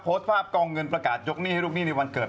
โพสต์ภาพกองเงินประกาศยกหนี้ให้ลูกหนี้ในวันเกิด